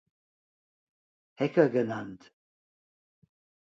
Hacker genannt.